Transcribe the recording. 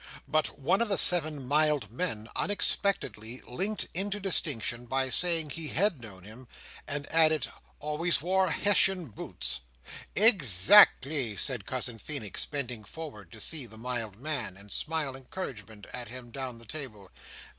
But one of the seven mild men unexpectedly leaped into distinction, by saying he had known him, and adding—"always wore Hessian boots!" "Exactly," said Cousin Feenix, bending forward to see the mild man, and smile encouragement at him down the table.